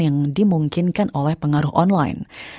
yang dimungkinkan oleh pengaruh online